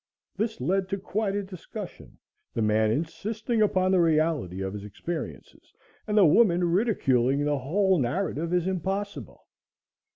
This led to quite a discussion, the man insisting upon the reality of his experiences and the woman ridiculing the whole narrative as impossible.